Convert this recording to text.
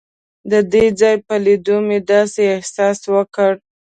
د دې ځای په لیدو مې داسې احساس وکړ.